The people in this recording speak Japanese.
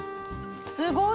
すごい。